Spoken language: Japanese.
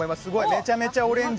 めちゃめちゃオレンジ。